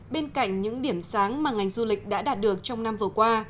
bên cạnh những điểm sáng mà ngành du lịch đã đạt được trong năm vừa qua